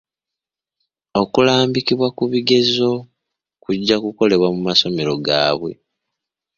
Okulambikibwa ku bigezo kujja kukolebwa ku masomero gaabwe.